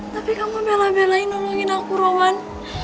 tapi kamu bela belain nolongin aku roman